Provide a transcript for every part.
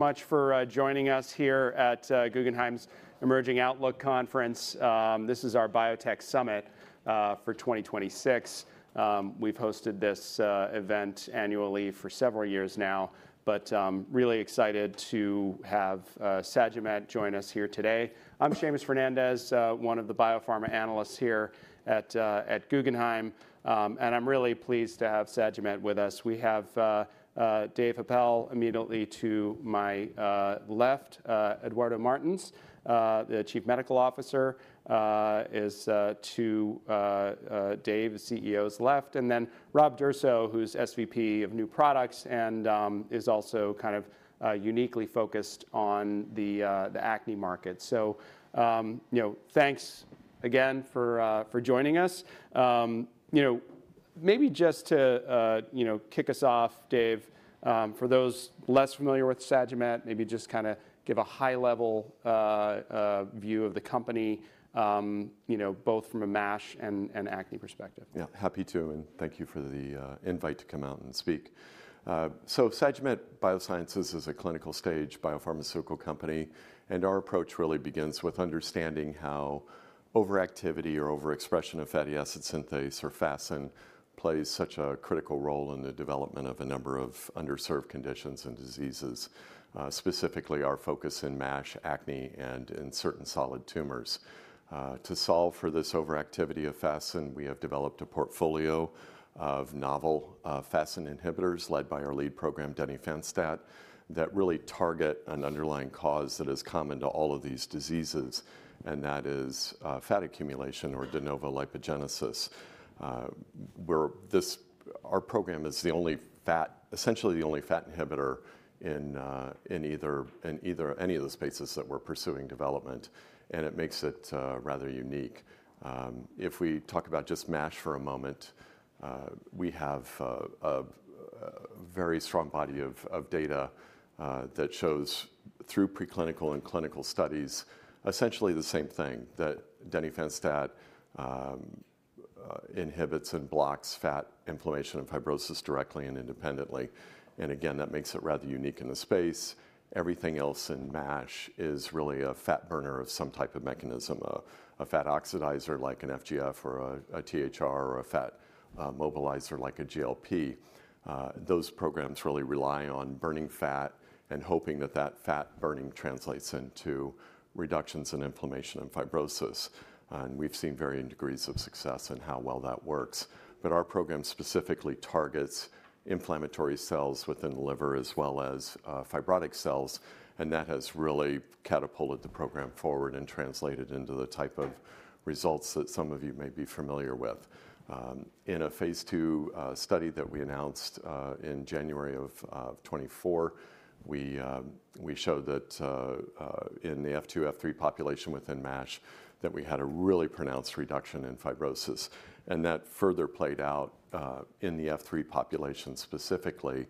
Thanks for joining us here at Guggenheim's Emerging Outlook Conference. This is our biotech summit for 2026. We've hosted this event annually for several years now, but really excited to have Sagimet join us here today. I'm Seamus Fernandez, one of the biopharma analysts here at Guggenheim, and I'm really pleased to have Sagimet with us. We have Dave Happel immediately to my left, Eduardo Martins, the Chief Medical Officer, is to Dave, the CEO's left, and then Rob D'Urso, who's SVP of new products and is also kind of uniquely focused on the acne market. So, you know, thanks again for joining us. You know, maybe just to you know, kick us off, Dave, for those less familiar with Sagimet, maybe just kinda give a high-level view of the company, you know, both from a MASH and acne perspective. Yeah, happy to, and thank you for the invite to come out and speak. So Sagimet Biosciences is a clinical-stage biopharmaceutical company, and our approach really begins with understanding how overactivity or overexpression of fatty acid synthase or FASN plays such a critical role in the development of a number of underserved conditions and diseases, specifically our focus in MASH, acne, and in certain solid tumors. To solve for this overactivity of FASN, we have developed a portfolio of novel FASN inhibitors led by our lead program, Denifanstat, that really target an underlying cause that is common to all of these diseases, and that is fat accumulation or de novo lipogenesis. Our program is essentially the only fat inhibitor in any of the spaces that we're pursuing development, and it makes it rather unique. If we talk about just MASH for a moment, we have a very strong body of data that shows through preclinical and clinical studies essentially the same thing, that Denifanstat inhibits and blocks fat, inflammation, and fibrosis directly and independently. And again, that makes it rather unique in the space. Everything else in MASH is really a fat burner of some type of mechanism, a fat oxidizer like an FGF or a THR or a fat mobilizer like a GLP. Those programs really rely on burning fat and hoping that fat burning translates into reductions in inflammation and fibrosis. And we've seen varying degrees of success in how well that works. But our program specifically targets inflammatory cells within the liver as well as fibrotic cells, and that has really catapulted the program forward and translated into the type of results that some of you may be familiar with. In a phase II study that we announced in January of 2024, we showed that in the F2/F3 population within MASH that we had a really pronounced reduction in fibrosis. And that further played out in the F3 population specifically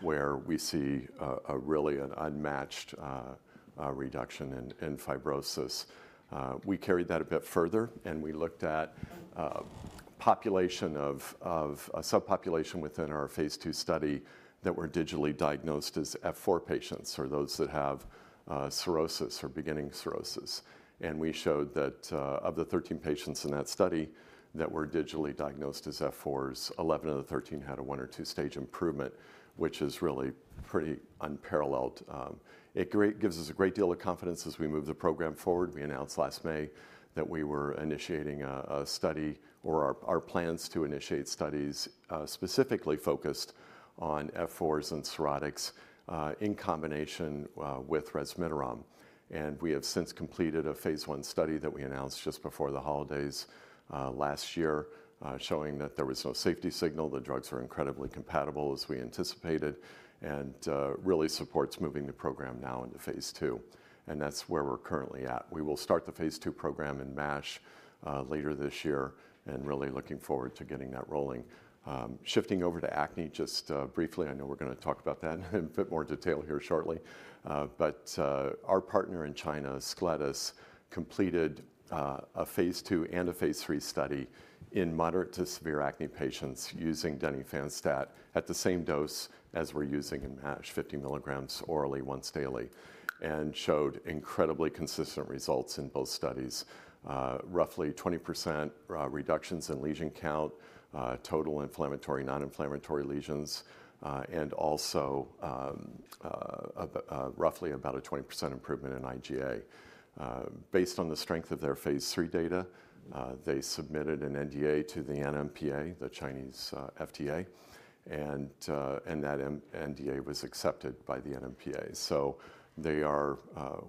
where we see a really unmatched reduction in fibrosis. We carried that a bit further, and we looked at a subpopulation within our phase II study that were digitally diagnosed as F4 patients or those that have cirrhosis or beginning cirrhosis. We showed that, of the 13 patients in that study that were digitally diagnosed as F4s, 11 of the 13 had a one or two-stage improvement, which is really pretty unparalleled. It's great. It gives us a great deal of confidence as we move the program forward. We announced last May that we were initiating a study or our plans to initiate studies, specifically focused on F4s and cirrhotics, in combination with resmetirom. We have since completed a phase I study that we announced just before the holidays last year, showing that there was no safety signal. The drugs are incredibly compatible as we anticipated and really supports moving the program now into phase II. That's where we're currently at. We will start the phase II program in MASH later this year and really looking forward to getting that rolling. Shifting over to acne just briefly, I know we're gonna talk about that in a bit more detail here shortly. But our partner in China, Ascletis, completed a phase II and a phase III study in moderate to severe acne patients using Denifanstat at the same dose as we're using in MASH, 50 mg orally once daily, and showed incredibly consistent results in both studies, roughly 20% reductions in lesion count, total inflammatory non-inflammatory lesions, and also of roughly about a 20% improvement in IGA. Based on the strength of their phase III data, they submitted an NDA to the NMPA, the Chinese FDA, and that NDA was accepted by the NMPA. So they are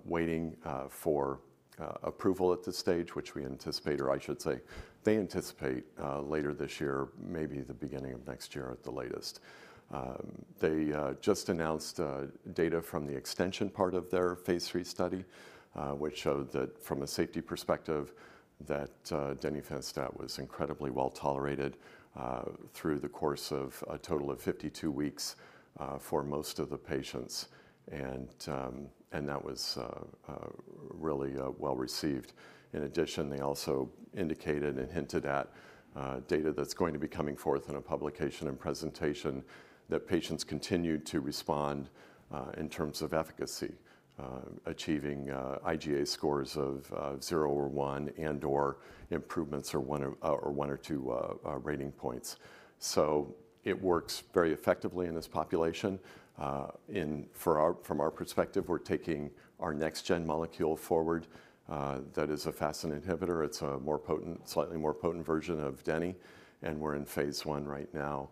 waiting for approval at this stage, which we anticipate or I should say they anticipate later this year, maybe the beginning of next year at the latest. They just announced data from the extension part of their phase III study, which showed that from a safety perspective, Denifanstat was incredibly well tolerated through the course of a total of 52 weeks for most of the patients. And that was really well received. In addition, they also indicated and hinted at data that's going to be coming forth in a publication and presentation that patients continued to respond in terms of efficacy, achieving IGA scores of 0 or 1 and/or improvements of 1 or 2 rating points. So it works very effectively in this population. From our perspective, we're taking our next-gen molecule forward, that is a FASN inhibitor. It's a slightly more potent version of Denifanstat, and we're in phase I right now.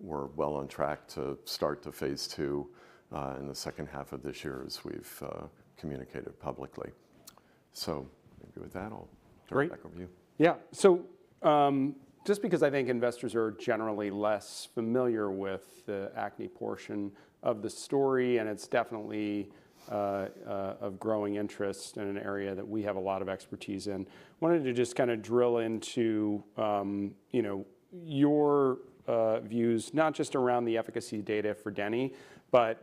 We're well on track to start the phase two in the second half of this year as we've communicated publicly. So maybe with that, I'll direct back over to you. Great. Yeah. So, just because I think investors are generally less familiar with the acne portion of the story, and it's definitely of growing interest in an area that we have a lot of expertise in, wanted to just kinda drill into, you know, your views not just around the efficacy data for Denifanstat, but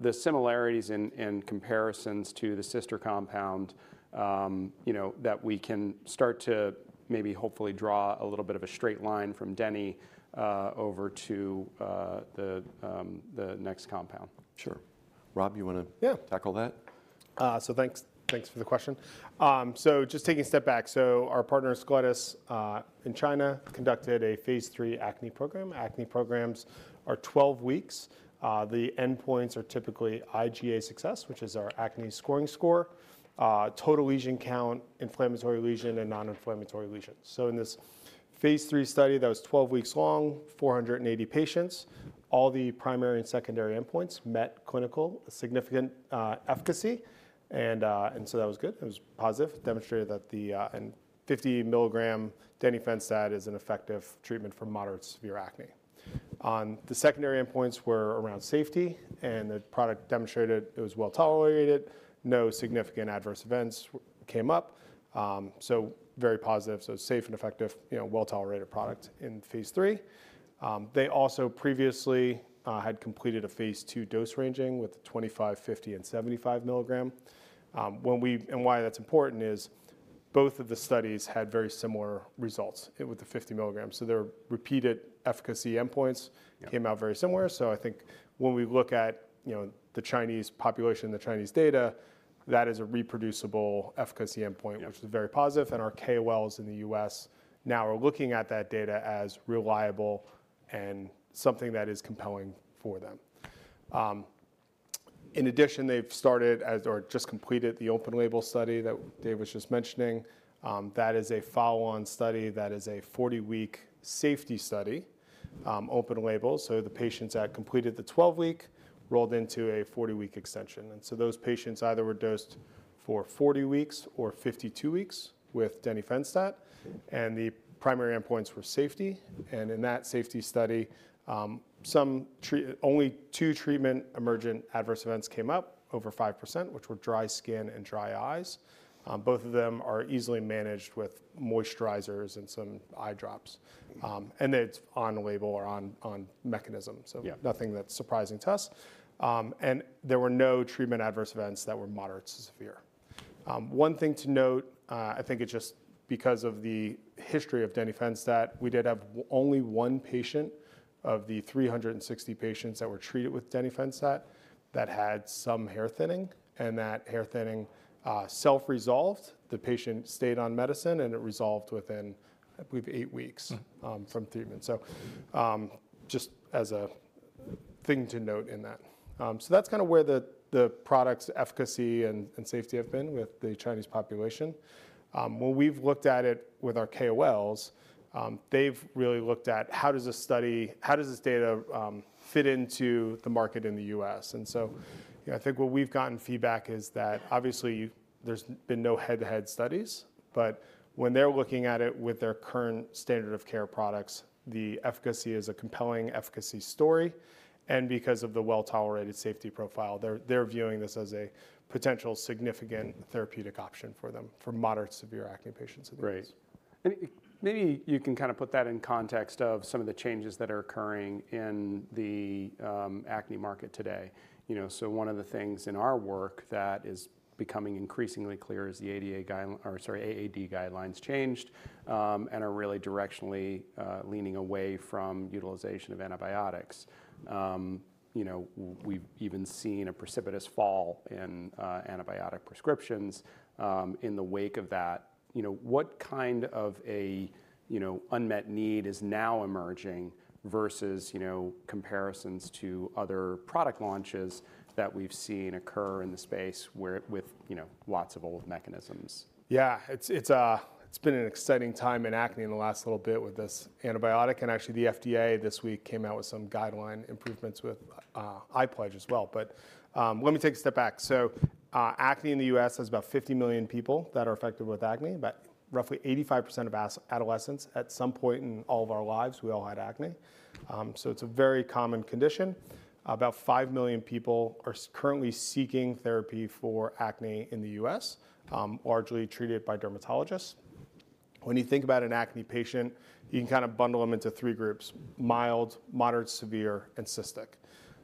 the similarities in comparisons to the sister compound, you know, that we can start to maybe hopefully draw a little bit of a straight line from Denifanstat over to the next compound. Sure. Rob, you wanna tackle that? Yeah. Thanks. Thanks for the question. So just taking a step back. So our partner, Ascletis, in China conducted a phase III acne program. Acne programs are 12 weeks. The endpoints are typically IGA success, which is our acne scoring score, total lesion count, inflammatory lesion, and non-inflammatory lesion. So in this phase III study that was 12 weeks long, 480 patients, all the primary and secondary endpoints met clinically significant efficacy. And so that was good. It was positive. It demonstrated that the 50 mg Denifanstat is an effective treatment for moderate to severe acne. The secondary endpoints were around safety, and the product demonstrated it was well tolerated. No significant adverse events came up. So very positive. So it's safe and effective, you know, well-tolerated product in phase III. They also previously had completed a phase II dose ranging with the 25, 50, and 75 mg. When we and why that's important is both of the studies had very similar results with the 50 mg. So their repeated efficacy endpoints came out very similar. So I think when we look at, you know, the Chinese population, the Chinese data, that is a reproducible efficacy endpoint, which is very positive. And our KOLs in the U.S. now are looking at that data as reliable and something that is compelling for them. In addition, they've started as or just completed the open-label study that Dave was just mentioning. That is a follow-on study that is a 40-week safety study, open-label. So the patients that completed the 12-week rolled into a 40-week extension. So those patients either were dosed for 40 weeks or 52 weeks with Denifanstat, and the primary endpoints were safety. In that safety study, just two treatment-emergent adverse events came up over 5%, which were dry skin and dry eyes. Both of them are easily managed with moisturizers and some eye drops, and it's on-label or on-mechanism. So nothing that's surprising to us, and there were no treatment-emergent adverse events that were moderate to severe. One thing to note, I think it just because of the history of Denifanstat, we did have only one patient of the 360 patients that were treated with Denifanstat that had some hair thinning, and that hair thinning self-resolved. The patient stayed on medicine, and it resolved within, I believe, eight weeks from treatment. So, just as a thing to note in that. So that's kinda where the, the product's efficacy and, and safety have been with the Chinese population. When we've looked at it with our KOLs, they've really looked at how does this study how does this data, fit into the market in the U.S.? And so, you know, I think what we've gotten feedback is that obviously, you there's been no head-to-head studies, but when they're looking at it with their current standard of care products, the efficacy is a compelling efficacy story. And because of the well-tolerated safety profile, they're, they're viewing this as a potential significant therapeutic option for them for moderate to severe acne patients in the U.S. Right. And maybe you can kinda put that in context of some of the changes that are occurring in the acne market today. You know, so one of the things in our work that is becoming increasingly clear is the ADA guidelines or sorry, AAD guidelines changed, and are really directionally leaning away from utilization of antibiotics. You know, we've even seen a precipitous fall in antibiotic prescriptions in the wake of that. You know, what kind of a unmet need is now emerging versus comparisons to other product launches that we've seen occur in the space where with lots of old mechanisms? Yeah. It's been an exciting time in acne in the last little bit with this antibiotic. And actually, the FDA this week came out with some guideline improvements with iPLEDGE as well. But let me take a step back. So acne in the U.S. has about 50 million people that are affected with acne, about roughly 85% of adolescents. At some point in all of our lives, we all had acne. So it's a very common condition. About 5 million people are currently seeking therapy for acne in the U.S., largely treated by dermatologists. When you think about an acne patient, you can kinda bundle them into three groups: mild, moderate, severe, and cystic.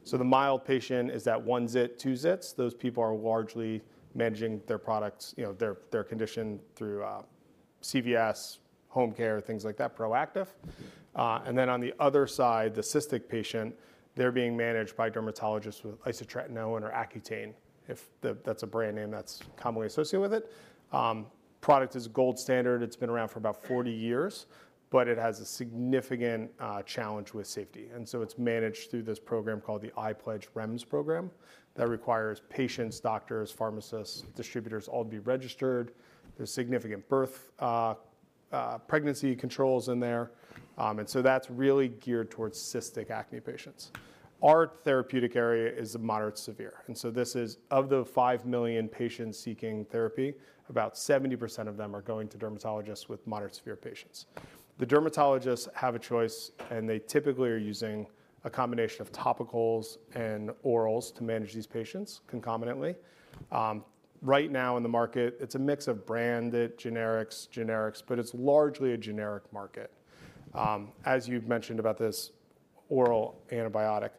So the mild patient is that one zit, two zits. Those people are largely managing their products, you know, their condition through CVS, home care, things like that Proactiv. Then on the other side, the cystic patient, they're being managed by dermatologists with isotretinoin or Accutane. If that's a brand name that's commonly associated with it, the product is gold standard. It's been around for about 40 years, but it has a significant challenge with safety. So it's managed through this program called the iPLEDGE REMS program that requires patients, doctors, pharmacists, distributors all to be registered. There's significant birth pregnancy controls in there, so that's really geared towards cystic acne patients. Our therapeutic area is moderate to severe. So this is of the 5 million patients seeking therapy, about 70% of them are going to dermatologists with moderate to severe patients. The dermatologists have a choice, and they typically are using a combination of topicals and orals to manage these patients concomitantly. Right now in the market, it's a mix of branded, generics, generics, but it's largely a generic market. As you've mentioned about this oral antibiotic,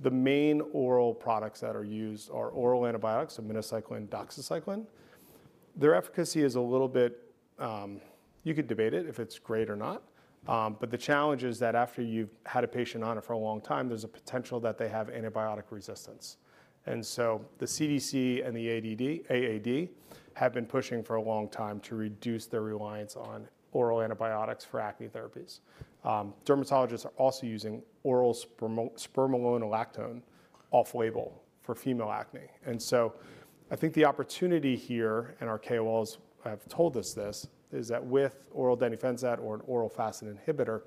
the main oral products that are used are oral antibiotics, so minocycline and doxycycline. Their efficacy is a little bit, you could debate it if it's great or not. But the challenge is that after you've had a patient on it for a long time, there's a potential that they have antibiotic resistance. And so the CDC and the AAD have been pushing for a long time to reduce their reliance on oral antibiotics for acne therapies. Dermatologists are also using oral spironolactone off-label for female acne. So I think the opportunity here and our KOLs have told us this is that with oral Denifanstat or an oral FASN inhibitor,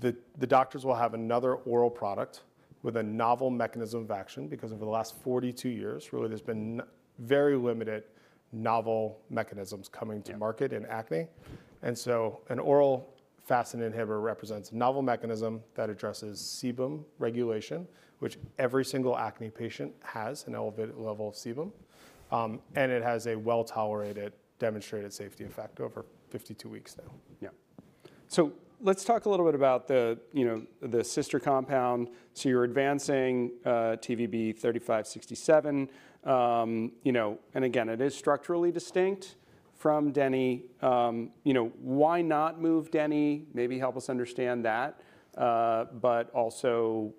the doctors will have another oral product with a novel mechanism of action because over the last 42 years, really, there's been very limited novel mechanisms coming to market in acne. And so an oral FASN inhibitor represents a novel mechanism that addresses sebum regulation, which every single acne patient has an elevated level of sebum, and it has a well-tolerated demonstrated safety effect over 52 weeks now. Yeah. So let's talk a little bit about the, you know, the sister compound. So you're advancing TVB-3567. You know, and again, it is structurally distinct from Denifanstat. You know, why not move Denifanstat? Maybe help us understand that. But also,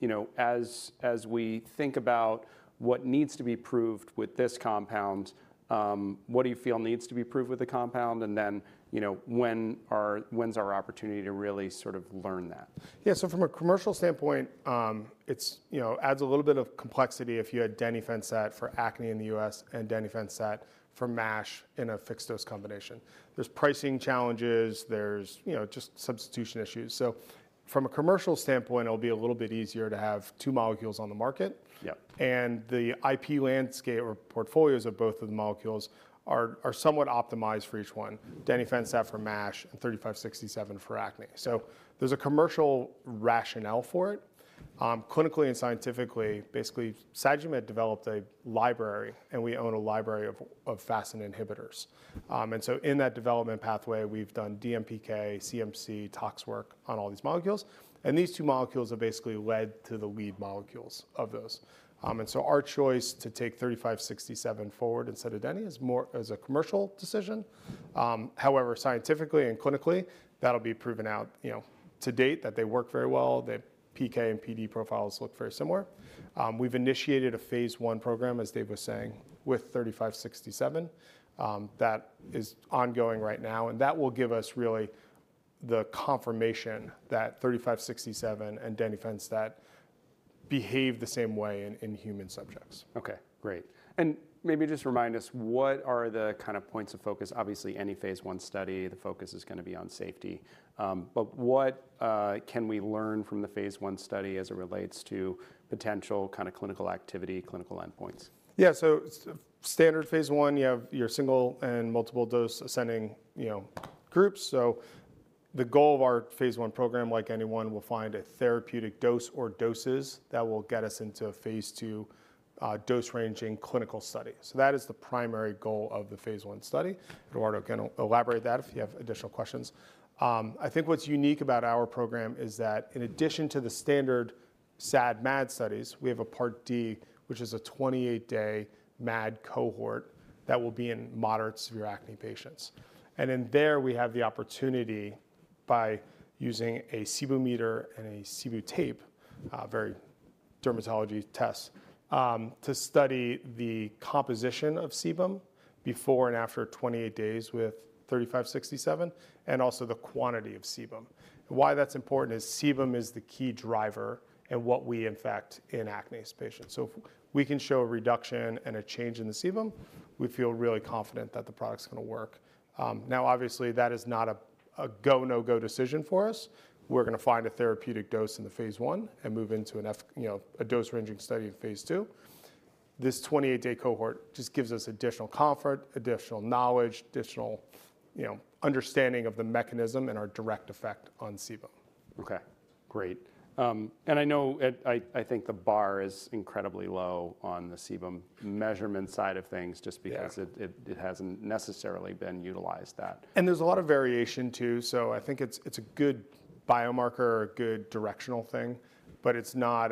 you know, as we think about what needs to be proved with this compound, what do you feel needs to be proved with the compound? And then, you know, when's our opportunity to really sort of learn that? Yeah. So from a commercial standpoint, it's, you know, adds a little bit of complexity if you had Denifanstat for acne in the U.S. and Denifanstat for MASH in a fixed-dose combination. There's pricing challenges. There's, you know, just substitution issues. So from a commercial standpoint, it'll be a little bit easier to have two molecules on the market. Yeah. And the IP landscape or portfolios of both of the molecules are somewhat optimized for each one: Denifanstat for MASH and 3567 for acne. So there's a commercial rationale for it. Clinically and scientifically, basically, Sagimet developed a library, and we own a library of FASN inhibitors. And so in that development pathway, we've done DMPK, CMC, TOX work on all these molecules. And these two molecules have basically led to the lead molecules of those. And so our choice to take 3567 forward instead of Denifanstat is more as a commercial decision. However, scientifically and clinically, that'll be proven out, you know, to date that they work very well. The PK and PD profiles look very similar. We've initiated a phase I program, as Dave was saying, with 3567. that is ongoing right now, and that will give us really the confirmation that TVB-3567 and Denifanstat behave the same way in human subjects. Okay. Great. And maybe just remind us, what are the kinda points of focus? Obviously, any phase I study, the focus is gonna be on safety, but what can we learn from the phase I study as it relates to potential kinda clinical activity, clinical endpoints? Yeah. So standard phase I, you have your single and multiple dose ascending, you know, groups. So the goal of our phase I program, like anyone, will find a therapeutic dose or doses that will get us into a phase II, dose ranging clinical study. So that is the primary goal of the phase I study. Eduardo can elaborate that if you have additional questions. I think what's unique about our program is that in addition to the standard SAD/MAD studies, we have a part D, which is a 28-day MAD cohort that will be in moderate to severe acne patients. And in there, we have the opportunity by using a sebum meter and a sebum tape, very dermatology test, to study the composition of sebum before and after 28 days with 3567 and also the quantity of sebum. Why that's important is sebum is the key driver in what we affect in acne patients. So if we can show a reduction and a change in the sebum, we feel really confident that the product's gonna work. Now, obviously, that is not a go-no-go decision for us. We're gonna find a therapeutic dose in the phase one and move into phase II, you know, a dose ranging study in phase two. This 28-day cohort just gives us additional comfort, additional knowledge, additional, you know, understanding of the mechanism and our direct effect on sebum. Okay. Great. And I know that I think the bar is incredibly low on the sebum measurement side of things just because it hasn't necessarily been utilized that. There's a lot of variation too. So I think it's a good biomarker, a good directional thing, but it's not,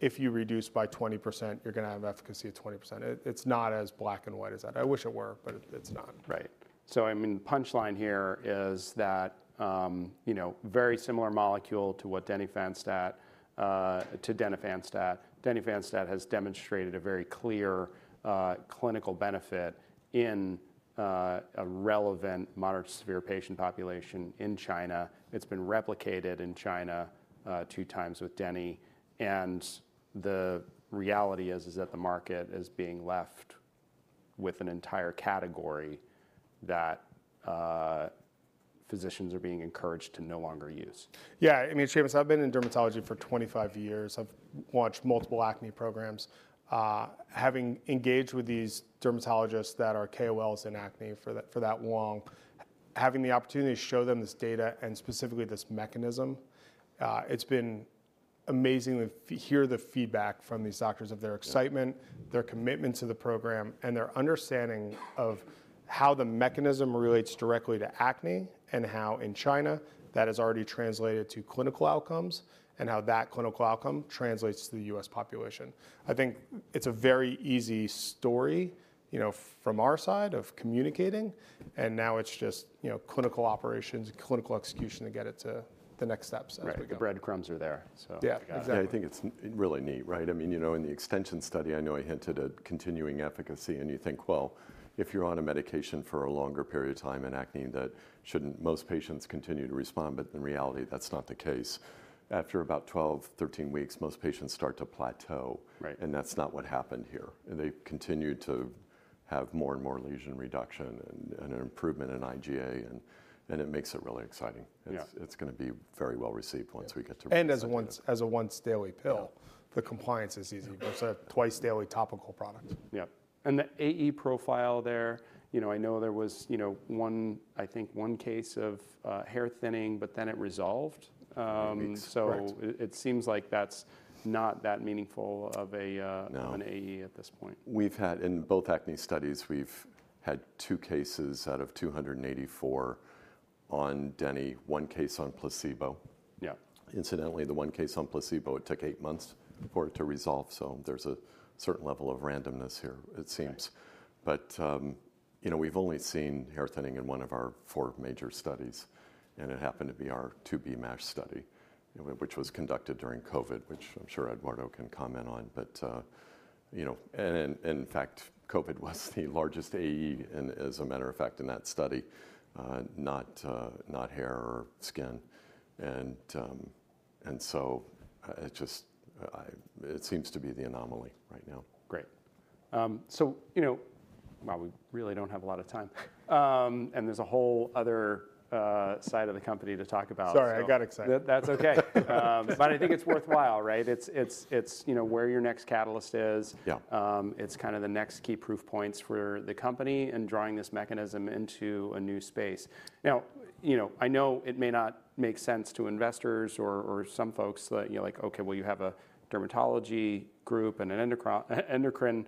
if you reduce by 20%, you're gonna have efficacy at 20%. It's not as black and white as that. I wish it were, but it's not. Right. So I mean, the punchline here is that, you know, very similar molecule to what Denifanstat, to Denifanstat. Denifanstat has demonstrated a very clear, clinical benefit in, a relevant moderate to severe patient population in China. It's been replicated in China, two times with Denifanstat. And the reality is, is that the market is being left with an entire category that, physicians are being encouraged to no longer use. Yeah. I mean, Seamus, I've been in dermatology for 25 years. I've watched multiple acne programs. Having engaged with these dermatologists that are KOLs in acne for that for that long, having the opportunity to show them this data and specifically this mechanism, it's been amazing to hear the feedback from these doctors of their excitement, their commitment to the program, and their understanding of how the mechanism relates directly to acne and how in China, that has already translated to clinical outcomes and how that clinical outcome translates to the U.S. population. I think it's a very easy story, you know, from our side of communicating. And now it's just, you know, clinical operations, clinical execution to get it to the next steps as we go. Right. The breadcrumbs are there, so. Yeah. Exactly. Yeah. I think it's really neat, right? I mean, you know, in the extension study, I know I hinted at continuing efficacy. And you think, well, if you're on a medication for a longer period of time in acne, that shouldn't most patients continue to respond. But in reality, that's not the case. After about 12, 13 weeks, most patients start to plateau. Right. That's not what happened here. They've continued to have more and more lesion reduction and an improvement in IGA. It makes it really exciting. Yeah. It's gonna be very well received once we get to. As a once-daily pill, the compliance is easy. It's a twice-daily topical product. Yeah. And the AE profile there, you know, I know there was, you know, one I think one case of hair thinning, but then it resolved. So it, it seems like that's not that meaningful of a, an AE at this point. No. We've had in both acne studies, we've had 2 cases out of 284 on Deni, 1 case on placebo. Yeah. Incidentally, the one case on placebo, it took eight months for it to resolve. So there's a certain level of randomness here, it seems. But, you know, we've only seen hair thinning in one of our four major studies. And it happened to be our II-B MASH study, which was conducted during COVID, which I'm sure Eduardo can comment on. But, you know, and, and in fact, COVID was the largest AE in as a matter of fact in that study, not, not hair or skin. And, and so it just, it seems to be the anomaly right now. Great. So, you know, wow, we really don't have a lot of time. And there's a whole other side of the company to talk about. Sorry. I got excited. That's okay. But I think it's worthwhile, right? It's, you know, where your next catalyst is. Yeah. It's kinda the next key proof points for the company and drawing this mechanism into a new space. Now, you know, I know it may not make sense to investors or, or some folks that, you know, like, okay, well, you have a dermatology group and an endocrine endocrine,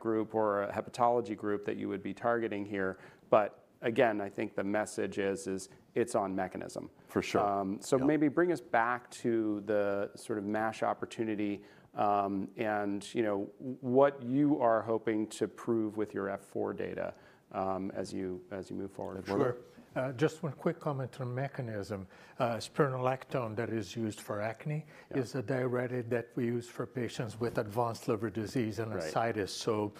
group or a hepatology group that you would be targeting here. But again, I think the message is, is it's on mechanism. For sure. Maybe bring us back to the sort of MASH opportunity, and, you know, what you are hoping to prove with your F4 data, as you move forward. Sure. Just one quick comment on mechanism. Spironolactone that is used for acne is a diuretic that we use for patients with advanced liver disease and ascites. So,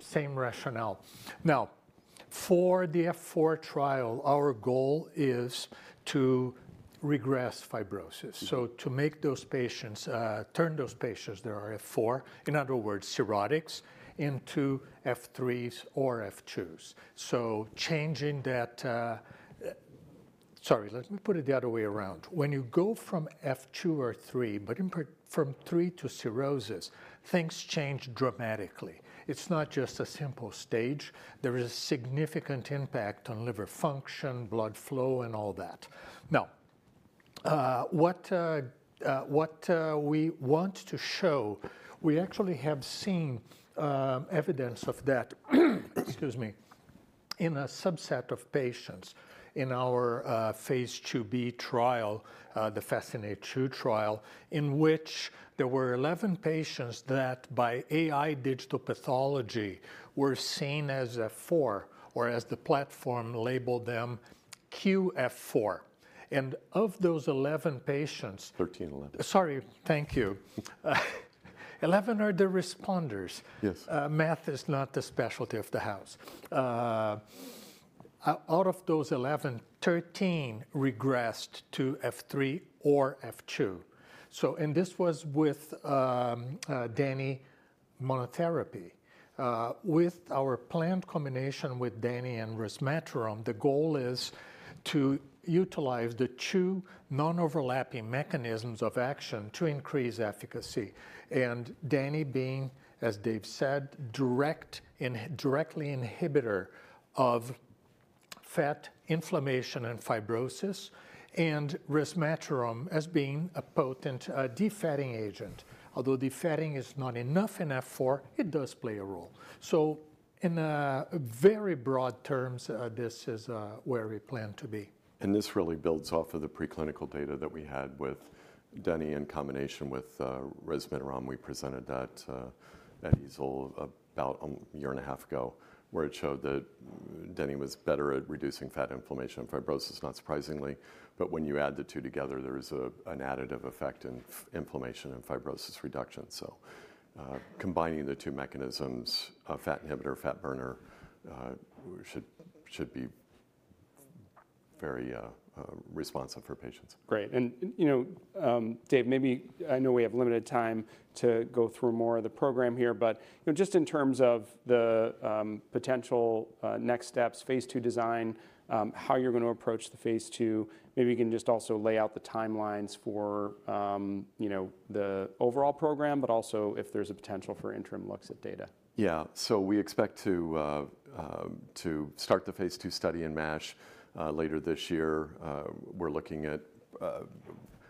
same rationale. Now, for the F4 trial, our goal is to regress fibrosis. So to make those patients, turn those patients that are F4, in other words, cirrhotics, into F3s or F2s. So changing that, sorry, let me put it the other way around. When you go from F2 or 3, but in particular from 3 to cirrhosis, things change dramatically. It's not just a simple stage. There is a significant impact on liver function, blood flow, and all that. Now, what we want to show, we actually have seen evidence of that, excuse me, in a subset of patients in our phase IIb trial, the FASCINATE-2 trial, in which there were 11 patients that by AI digital pathology were seen as F4 or as the platform labeled them qF4. And of those 11 patients. 13, 11. Sorry. Thank you. 11 are the responders. Yes. MASH is not the specialty of the house. Out of those 11, 13 regressed to F3 or F2. So, and this was with Deni monotherapy. With our planned combination with Deni and resmetirom, the goal is to utilize the two non-overlapping mechanisms of action to increase efficacy. And Deni being, as Dave said, direct and indirect inhibitor of fat inflammation and fibrosis, and resmetirom as being a potent defatting agent. Although defatting is not enough in F4, it does play a role. So, in very broad terms, this is where we plan to be. This really builds off of the preclinical data that we had with Deni in combination with resmetirom. We presented that at ESLD about a year and a half ago, where it showed that Deni was better at reducing fat inflammation and fibrosis, not surprisingly. But when you add the two together, there is an additive effect in inflammation and fibrosis reduction. So, combining the two mechanisms, fat inhibitor, fat burner, should be very responsive for patients. Great. And, you know, Dave, maybe I know we have limited time to go through more of the program here, but, you know, just in terms of the potential next steps, phase II design, how you're gonna approach the phase II, maybe you can just also lay out the timelines for, you know, the overall program, but also if there's a potential for interim looks at data? Yeah. So we expect to start the phase II study in MASH later this year. We're looking at,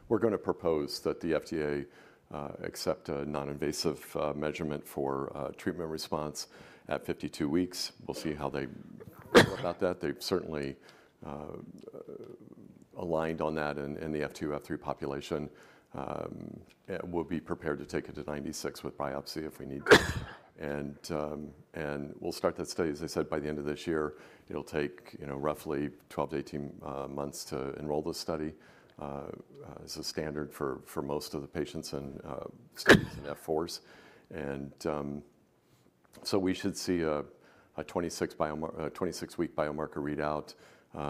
we're gonna propose that the FDA accept a non-invasive measurement for treatment response at 52 weeks. We'll see how they go about that. They've certainly aligned on that in the F2, F3 population. It will be prepared to take it to 96 with biopsy if we need to. And we'll start that study, as I said, by the end of this year. It'll take, you know, roughly 12-18 months to enroll this study, as a standard for most of the patients and studies in F4s. And so we should see a 26-week biomarker readout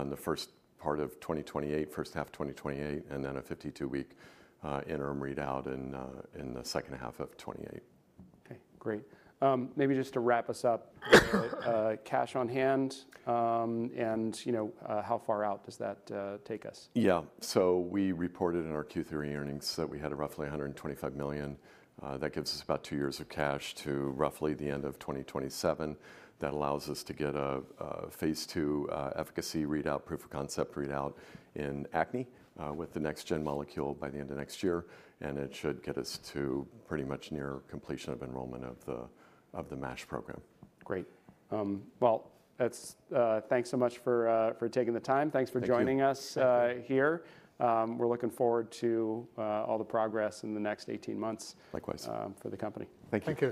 in the first part of 2028, first half of 2028, and then a 52-week interim readout in the second half of 2028. Okay. Great. Maybe just to wrap us up, cash on hand, and, you know, how far out does that take us? Yeah. So we reported in our Q3 earnings that we had roughly $125 million. That gives us about 2 years of cash to roughly the end of 2027. That allows us to get a phase II efficacy readout, proof of concept readout in acne, with the next-gen molecule by the end of next year. And it should get us to pretty much near completion of enrollment of the MASH program. Great. Well, that's thanks so much for taking the time. Thanks for joining us here. We're looking forward to all the progress in the next 18 months. Likewise. for the company. Thank you.